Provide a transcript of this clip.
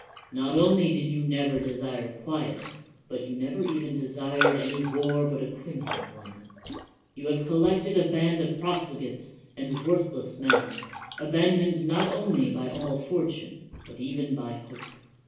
Not only did you never desire quiet, but you never even desired any war but a criminal one; you have collected a band of profligates and worthless men, abandoned not only by all fortune but even by hope.